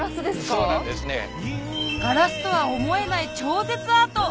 ・そうなんですね・ガラスとは思えない超絶アート！